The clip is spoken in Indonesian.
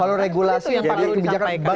kalau regulasi yang pak nadi disampaikan